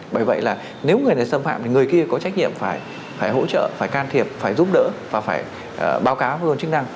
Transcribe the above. bởi vậy là nếu người này xâm phạm thì người kia có trách nhiệm phải hỗ trợ phải can thiệp phải giúp đỡ và phải báo cáo cơ quan chức năng